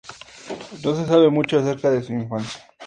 No se sabe mucho acerca de su infancia.